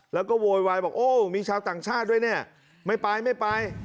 แล้วก็โวยวายบอกโอ้มีชาวต่างชาติด้วยเนี่ยไม่ไปไม่ไป